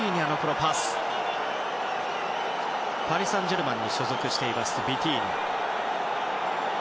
パリ・サンジェルマンに所属しているビティーニャ。